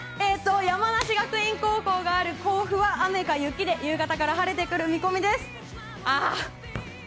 山梨学院高校がある甲府は雨か雪で夕方から晴れてくる見込みです。